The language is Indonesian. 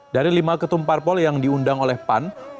dari lima ketum parpol yang diundang oleh pan